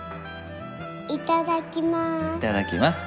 いただきまーす。